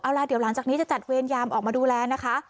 เอาล่ะเดี๋ยวหลังจากนี้จะจัดเวรยามออกมาดูแลนะคะ